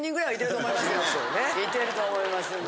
いてると思います。